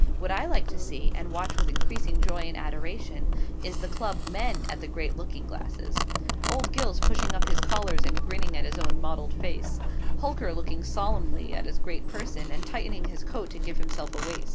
What I like to see, and watch with increasing joy and adoration, is the Club MEN at the great looking glasses. Old Gills pushing up his collars and grinning at his own mottled face. Hulker looking solemnly at his great person, and tightening his coat to give himself a waist.